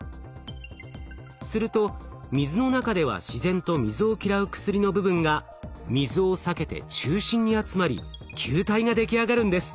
すると水の中では自然と水を嫌う薬の部分が水を避けて中心に集まり球体が出来上がるんです。